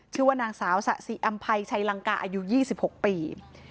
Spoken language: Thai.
ชื่อว่านางสาวสะสิอำภัยชัยลังกาอายุ๒๖ปี